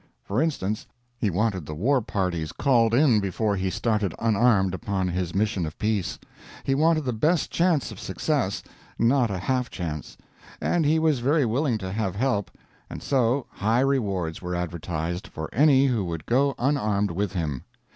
For instance, he wanted the war parties called in before he started unarmed upon his mission of peace. He wanted the best chance of success not a half chance. And he was very willing to have help; and so, high rewards were advertised, for any who would go unarmed with him.